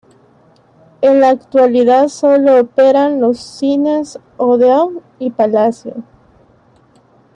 En la actualidad solo operan los cines "Odeon" y "Palacio".